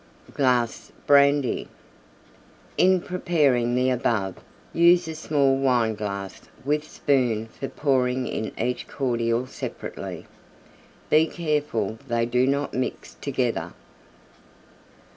1/6 glass Brandy. In preparing the above use a small Wineglass with spoon for pouring in each Cordial separately. Be careful they do not mix together.